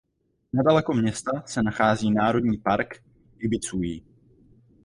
Nedaleko města se nachází Národní park Ybycuí.